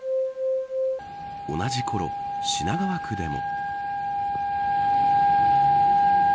同じころ、品川区でも。